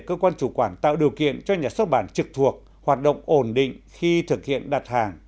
cơ quan chủ quản tạo điều kiện cho nhà xuất bản trực thuộc hoạt động ổn định khi thực hiện đặt hàng